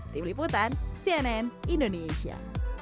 tim liputan cnn indonesia